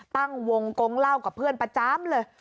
ตั้งวงกงเล่ากับเพื่อนประจำเลย